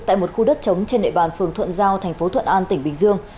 tại một khu đất chống trên nệ bàn phường thuận giao thành phố thuận an tỉnh bình dương